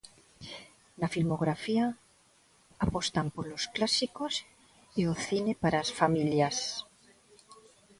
Na filmografía, apostan polos clásicos e o cine para as familias.